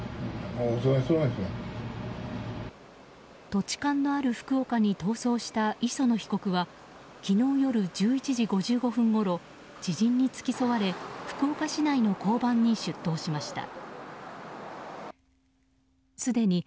土地勘のある福岡に逃走した磯野被告は昨日夜１１時５５分ごろ知人に付き添われ福岡市内の交番に出頭しました。